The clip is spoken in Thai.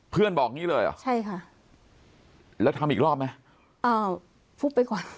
เพื่อนบอกนี่เลยเหรอใช่ค่ะแล้วทำอีกรอบไหมอ่าฟุ๊บไปก่อน